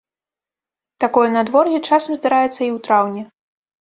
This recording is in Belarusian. Такое надвор'е часам здараецца і ў траўні.